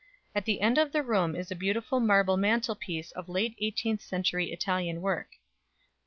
At the end of the room is a beautiful marble mantelpiece of late eighteenth century Italian work.